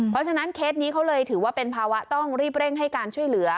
เพราะฉะนั้นเคสนี้เขาเลยถือว่าเป็นภาวะต้องรีบเร่งให้การช่วยเหลือ